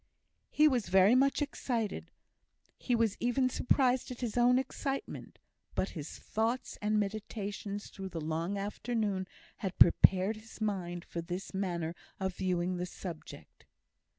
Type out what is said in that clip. He was very much excited; he was even surprised at his own excitement; but his thoughts and meditations through the long afternoon had prepared his mind for this manner of viewing the subject.